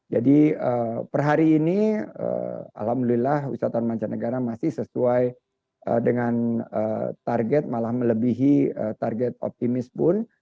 jadi per hari ini alhamdulillah wisatawan mancanegara masih sesuai dengan target malah melebihi target optimis pun